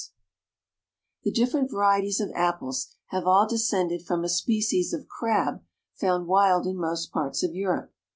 The different varieties of apples have all descended from a species of crab found wild in most parts of Europe.